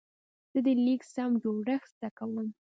زه د لیک سم جوړښت زده کوم.